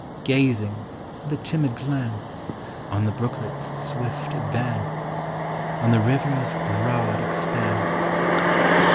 Gazing, with a timid glance. On the brooklet's swift advance, On the river's broad expanse